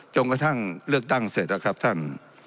จนกระทั่งเลือกตั้งเสร็จนะครับท่าน